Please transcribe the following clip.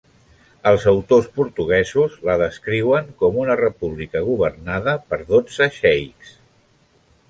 Els autors portuguesos la descriuen com una república governada per dotze xeics.